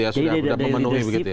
ya sudah memenuhi begitu ya